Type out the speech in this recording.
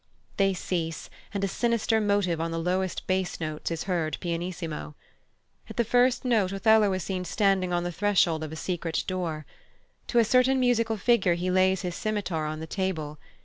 These cease, and a sinister motive on the lowest bass notes is heard pianissimo. At the first note Othello is seen standing on the threshold of a secret door. To a certain musical figure he lays his scimitar on the table.